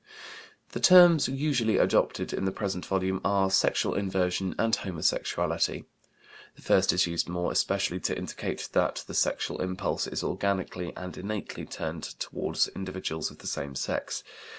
The terms usually adopted in the present volume are "sexual inversion" and "homosexuality." The first is used more especially to indicate that the sexual impulse is organically and innately turned toward individuals of the same sex.